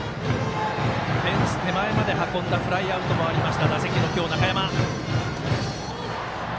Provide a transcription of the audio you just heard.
フェンス手前まで運んだフライもありました打席の中山。